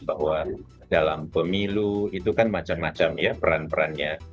bahwa dalam pemilu itu kan macam macam ya peran perannya